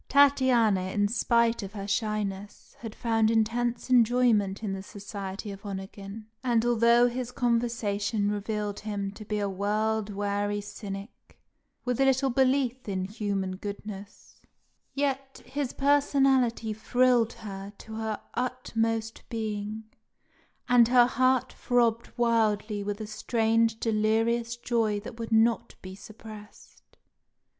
Tatiana, in spite of her shyness, had found intense enjoyment in the society of Onegin; and although his conversation revealed him to be a world weary cynic, with little belief in human goodness, yet his personality thrilled her to her utmost being, and her heart throbbed wildly with a strange delirious joy that would not be suppressed.